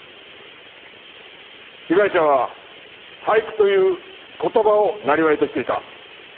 被害者は俳句という言葉をなりわいとしていた。